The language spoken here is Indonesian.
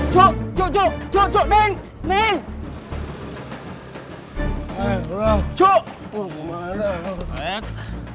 cuk cuk cuk